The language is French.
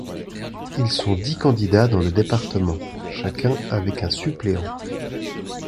Ils sont dix candidats dans le département, chacun avec un suppléant.